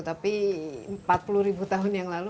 tapi empat puluh ribu tahun yang lalu